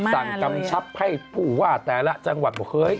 สั่งกำชับให้ผู้ว่าแต่ละจังหวัดบ่เคย